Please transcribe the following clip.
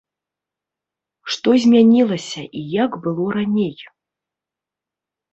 Што змянілася і як было раней?